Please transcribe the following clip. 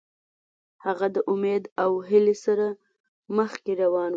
هغه د امید او هیلې سره مخکې روان و.